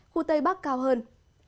khu tây bắc cao hơn